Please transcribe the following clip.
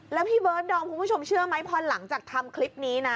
แล้วพี่เบิร์ดดอมคุณผู้ชมเชื่อไหมพอหลังจากทำคลิปนี้นะ